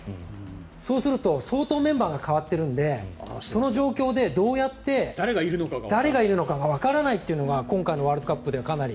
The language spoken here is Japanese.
そうすると相当メンバーが変わっているのでその状況でどうやって誰がいるのかがわからないというのが今回のワールドカップではかなり。